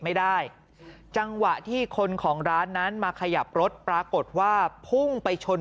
ไม่ได้จังหวะที่คนของร้านนั้นมาขยับรถปรากฏว่าพุ่งไปชน